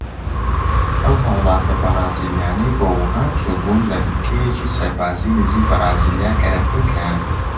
ئەو هاوڵاتیە بەرازیلیانەی بۆ ووهان چوو بوون لە بنکەیەکی سەربازی نزیکی بەرازیلیا کەرەنتین کران.